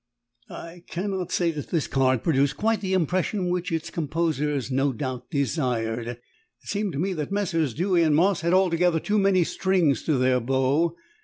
I cannot say this card produced quite the impression which its composers no doubt desired. It seemed to me that Messrs. Dewy and Moss had altogether too many strings to their bow.